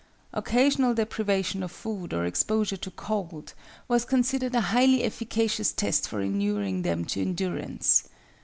Occasional deprivation of food or exposure to cold, was considered a highly efficacious test for inuring them to endurance.